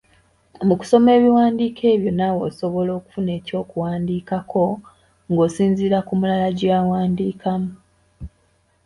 Mu kusoma ebiwandiiko ebyo naawe osobola okufuna eky’okuwandiikako ng’osinziira ku mulala gye yawandiikamu.